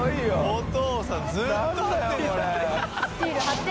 お父さんずっと貼ってるよ何だよこれ。